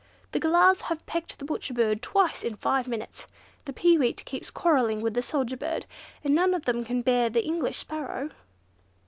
The Galahs have pecked the Butcher Bird twice in five minutes, the Peeweet keeps quarrelling with the Soldier Bird, and none of them can bear the English Sparrow."